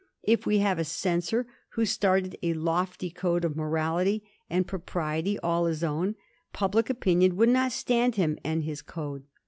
If we had a censor who started a lofty code of morality and propriety all his own, public opinion would not stand him and his code.